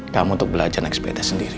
kamu untuk belajar naik sepeda sendiri